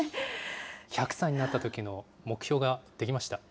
１００歳になったときの目標が出来ました。